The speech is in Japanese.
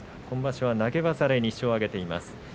今場所は投げ技で２勝を挙げています。